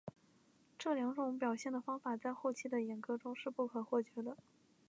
这两种表现的方法在后期的演歌中是不可或缺的。